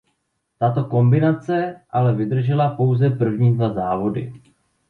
Tato kombinace ale vydržela pouze první dva závody.